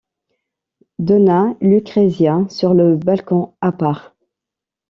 Dona Lucrezia, sur le balcon, à part.